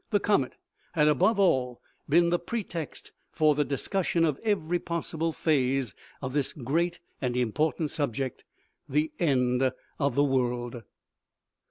The comet had, above all, been the pretext for the dis cussion of every possible phase of this great and important subject the end of the world.